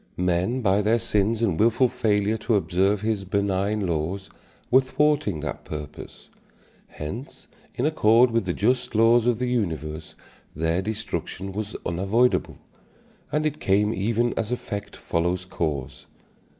Men by their sins and wilful failure to observe his benign laws were thwarting that purpose. Hence in accord with the just laws of the universe their destruction was unavoidable, and it came even as effect follows cause.